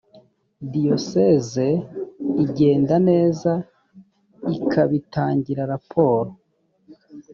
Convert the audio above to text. diyoseze igende neza ikabitangira raporo